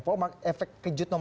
pak omang efek kejutnya apa